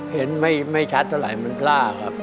เห็นไม่ชัดเท่าไหร่มันพลาดครับ